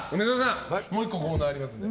もう１つコーナーありますので